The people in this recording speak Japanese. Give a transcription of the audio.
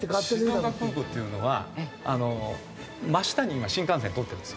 静岡空港っていうのは真下に今新幹線通ってるんですよ。